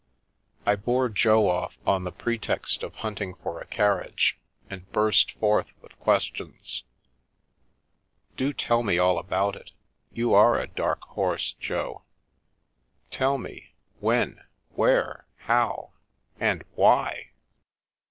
I bore Jo off on the pretext of hunting for a carriage, and burst forth with questions. " Do tell me all about it ; you are a dark horse, Jo I Tell me — when, where, how — and why